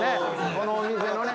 このお店のね。